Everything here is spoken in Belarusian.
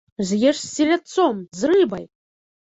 З'еш з селядцом, з рыбай!